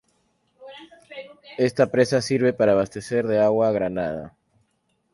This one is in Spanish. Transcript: Esta presa sirve para abastecer de agua a Granada.